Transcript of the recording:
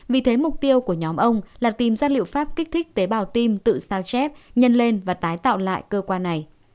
vì thế mục tiêu của nhóm ông là tìm ra liệu pháp kích thích tế bào tim tự sao chép nhân lên và tái tạo lại cơ quan này